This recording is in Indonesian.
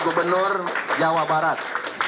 gubernur jawa barat